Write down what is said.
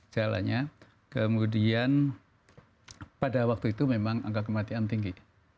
jalannya kemudian pada waktu itu memang angka kematian tinggi